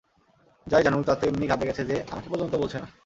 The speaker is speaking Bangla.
যাই জানুক, তাতে এমনি ঘাবড়ে গেছে যে আমাকে পর্যন্ত বলছে না।